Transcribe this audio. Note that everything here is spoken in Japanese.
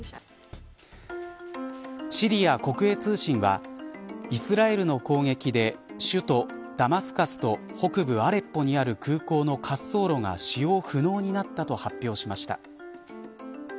シリア国営通信はイスラエルの攻撃で首都ダマスカスと北部アレッポにある空港の滑走路が使用不能になったと発表しました。